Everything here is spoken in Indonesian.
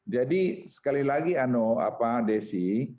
jadi sekali lagi desi